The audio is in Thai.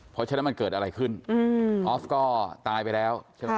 เพราะฉะนั้นมันเกิดอะไรขึ้นออฟก็ตายไปแล้วใช่ไหม